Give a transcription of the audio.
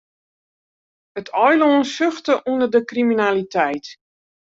It eilân suchte ûnder de kriminaliteit.